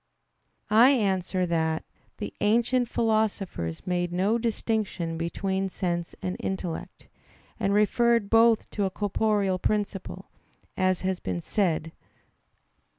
I answer that, The ancient philosophers made no distinction between sense and intellect, and referred both to a corporeal principle, as has been said (A.